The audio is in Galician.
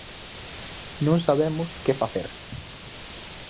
Non sabemos que facer.